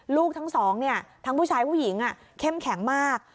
ลูกทั้งสองทั้งผู้ชายผู้หญิงเข้มแข็งมาก